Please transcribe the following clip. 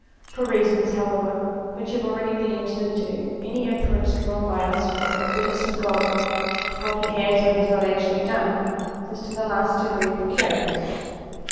For reasons, how ever, which have already been entered into, any inference drawn by us from the goodness of God to what he has or has not actually done, is to the last degree precarious.